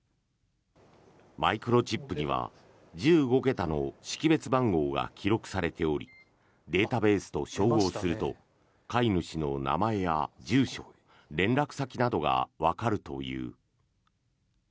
マイクロチップには１５桁の識別番号が記録されておりデータベースと照合すると飼い主の名前や住所連絡先などがわかるという。